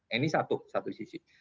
ini satu satu sisi